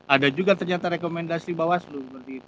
ada juga ternyata rekomendasi bawaslu